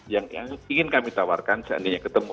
yang ingin kami tawarkan seandainya ketemu